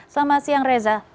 selamat siang reza